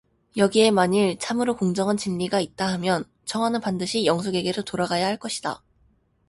여기에 만일 참으로 공정한 진리가 있다하면 청아는 반드시 영숙에게로 돌아가야 할 것이다.